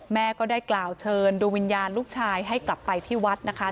แม่ก็ได้กล่าวเชิญดวงวิญญาณลูกชายให้กลับไปที่วัดนะคะ